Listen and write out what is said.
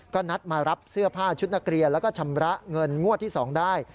ก็นัดมารับเสื้อผ้าชุดนักเรียนแล้วก็ชำระเงินงวดที่๒ได้